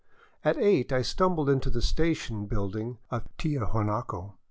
At eight I stumbled into the station building of Tiahuanaco.